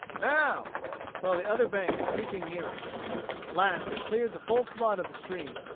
"Now!", saw the other bank creeping nearer. At last they cleared the full flood of the stream.